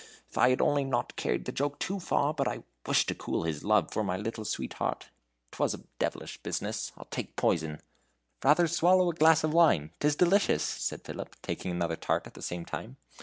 If I had only not carried the joke too far, but I wished to cool his love a little for my sweetheart. 'T was a devilish business. I'll take poison." "Rather swallow a glass of wine 't is delicious," said Philip, taking another tart at the same time.